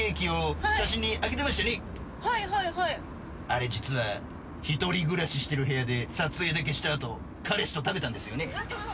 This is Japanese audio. あれ実は１人暮らししてる部屋で撮影だけした後彼氏と食べたんですよね。